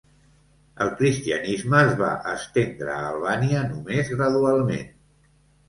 El cristianisme es va estendre a Albània només gradualment.